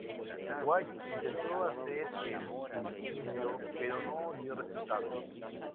White intentó de hacer el "suicidio", pero no dio resultado.